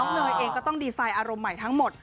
เนยเองก็ต้องดีไซน์อารมณ์ใหม่ทั้งหมด